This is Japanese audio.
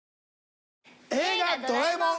『映画ドラえもん』